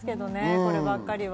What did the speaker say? こればっかりは。